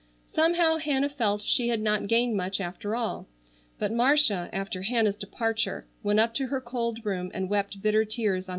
Somehow Hannah felt she had not gained much after all. But Marcia, after Hannah's departure, went up to her cold room and wept bitter tears on her pillow alone.